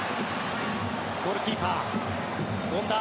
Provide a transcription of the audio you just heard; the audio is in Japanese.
ゴールキーパー、権田。